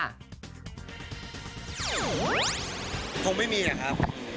คงไม่มีนะครับ